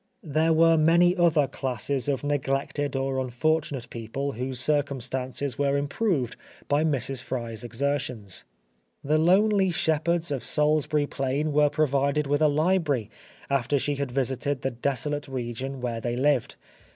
There were many other classes of neglected or unfortunate people whose circumstances were improved by Mrs. Fry's exertions. The lonely shepherds of Salisbury Plain were provided with a library after she had visited the desolate region where they lived.